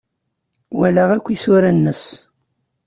Walaɣ akk isura-nnes.